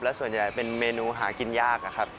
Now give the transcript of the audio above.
และส่วนใหญ่เป็นเมนูหากินยากนะครับ